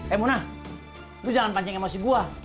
eh muna lu jangan pancing emosi gua